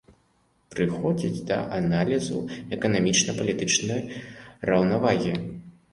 Прыходзяць да аналізу эканамічна-палітычнай раўнавагі.